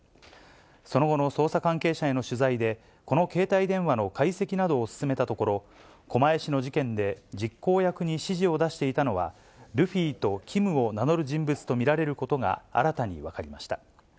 その後の捜査関係者への取材で、この携帯電話の解析などを進めたところ、狛江市の事件で実行役に指示を出していたのは、ルフィとＫＩＭを名乗る人物と見られることが、新たに分かりました。